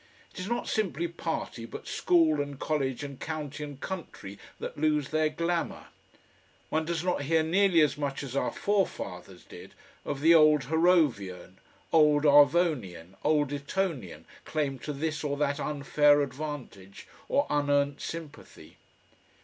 It is not simply party but school and college and county and country that lose their glamour. One does not hear nearly as much as our forefathers did of the "old Harrovian," "old Arvonian," "old Etonian" claim to this or that unfair advantage or unearnt sympathy.